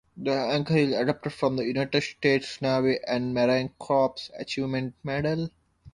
This anchor is adapted from the United States Navy and Marine Corps Achievement Medal.